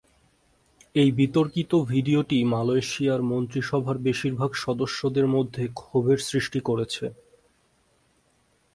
এই বিতর্কিত ভিডিওটি মালয়েশিয়ার মন্ত্রিসভার বেশিরভাগ সদস্যদের মধ্যে ক্ষোভের সৃষ্টি করেছে।